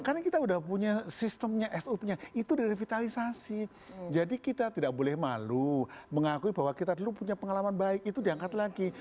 karena kita udah punya sistemnya itu direvitalisasi jadi kita tidak boleh malu mengakui bahwa kita dulu punya pengalaman baik itu diangkat lagi